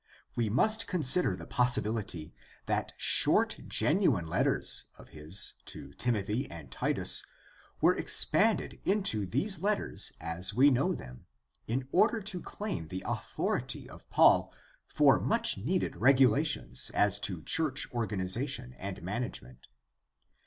We must consider the possibility that short genuine letters of his to Timothy and Titus were expanded into these letters as we know them, in order to claim the authority of Paul for much needed regula tions as to church organization and management.